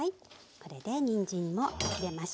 これでにんじんも切れました。